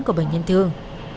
của bệnh nhân thương